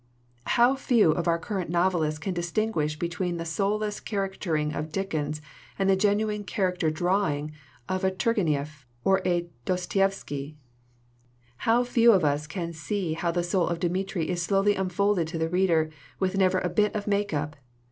How few of our cur rent novelists can distinguish between the soul less caricaturing of Dickens and the genuine char acter drawing of a Turgenieff or a Dostoievski! "How few of us can see how the soul of Dmitri is slowly unfolded to the reader with never a bit of make up!